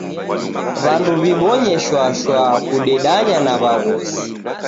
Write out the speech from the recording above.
W'andu w'ibonye shwashwa kudedanya na w'aghosi.